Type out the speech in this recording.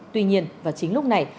tuy nhiên vào chính lúc này